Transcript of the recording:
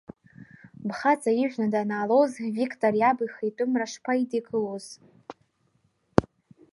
Бхаҵа ижәны данаалоз Виктор иаб ихитәымра шԥаидикылоз?